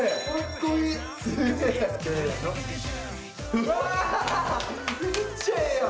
うわめっちゃええやん！